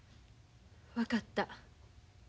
分かった。